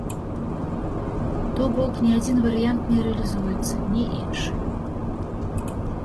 То бок ні адзін варыянт не рэалізуецца, ні іншы.